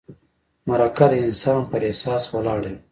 مرکه د انسان پر احساس ولاړه وي.